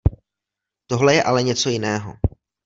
Tohle je ale něco jiného.